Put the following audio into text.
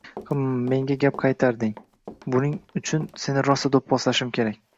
Hm-m, menga gap qaytarding. Buning uchun seni rosa doʻpposlashim kerak.